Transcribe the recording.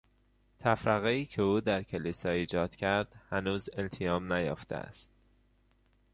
تفرقهای که او در کلیسا ایجاد کرد هنوز التیام نیافته است.